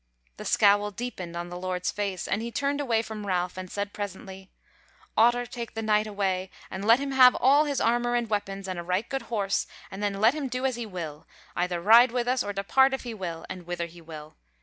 The scowl deepened on the Lord's face, and he turned away from Ralph, and said presently: "Otter take the Knight away and let him have all his armour and weapons and a right good horse; and then let him do as he will, either ride with us, or depart if he will, and whither he will.